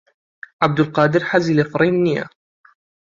عەبدولقادر حەزی لە فڕین نییە.